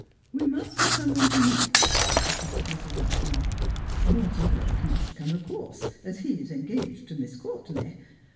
' We must have some one to meet them,' repeated Mrs. Aspinall. 'Morton Blake must come, of course, as he is en gagp.l to Miss Courtenay.